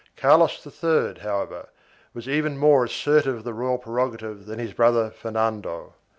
4 Carlos III, however, was even more assertive of the royal prerogative than his brother Fernando.